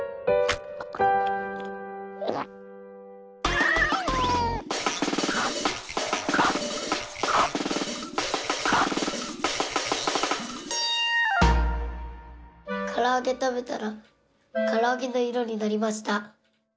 からあげたべたらからあげのいろになりました。